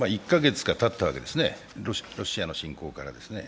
１カ月がたったわけですね、ロシアの侵攻から。